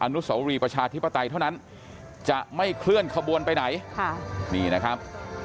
นุสวรีประชาธิปไตยเท่านั้นจะไม่เคลื่อนขบวนไปไหนค่ะนี่นะครับ